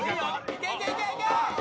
いけいけいけいけ！